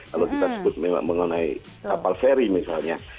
kalau kita sebut memang mengenai kapal ferry misalnya